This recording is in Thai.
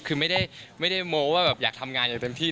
คือไม่ได้โมว่าแบบอยากทำงานอย่างเต็มที่